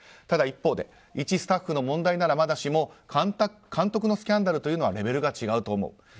ただ、一方でいちスタッフの問題ならまだしも監督のスキャンダルというのはレベルが違うと思う。